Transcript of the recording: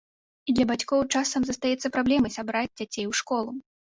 І для бацькоў часам застаецца праблемай сабраць дзяцей у школу.